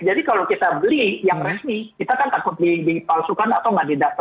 jadi kalau kita beli yang resmi kita kan takut dipalsukan atau nggak didaftarkan